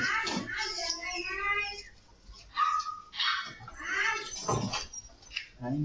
แจกแจกเลยกับตัวน้ำจาน